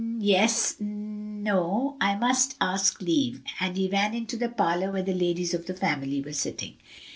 "Yes no; I must ask leave," and he ran into the parlor where the ladies of the family were sitting.